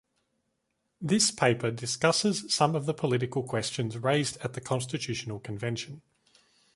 This paper discusses some of the political questions raised at the constitutional convention.